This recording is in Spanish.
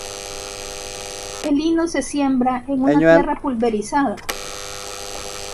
El lino se siembra en una tierra pulverizada.